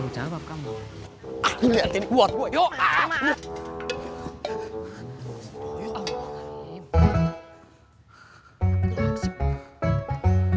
udah tua jangan takut takut yuk